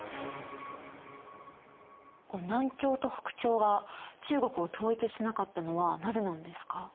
南朝と北朝が中国を統一しなかったのはなぜなんですか？